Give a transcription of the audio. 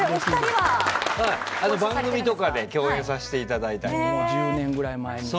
番組とかで共演させていただいたり。